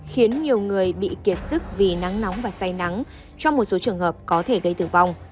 khiến nhiều người bị kiệt sức vì nắng nóng và say nắng cho một số trường hợp có thể gây tử vong